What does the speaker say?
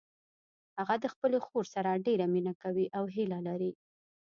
هغه د خپلې خور سره ډیره مینه کوي او هیله لري